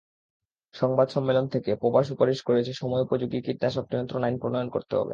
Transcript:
সংবাদ সম্মেলন থেকে পবা সুপারিশ করেছে, সময়োপযোগী কীটনাশক নিয়ন্ত্রণ আইন প্রণয়ন করতে হবে।